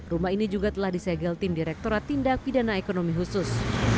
rumah ini juga telah disegel tim direkturat tindak pidana ekonomi khusus